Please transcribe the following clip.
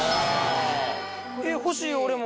えっ、欲しい、俺も。